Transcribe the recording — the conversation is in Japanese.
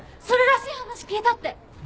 それらしい話聞いたって。